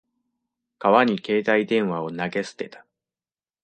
川に携帯電話を投げ捨てた。